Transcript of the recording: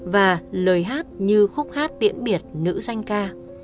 và lời hát như khúc hát tiễn biệt nữ danh ca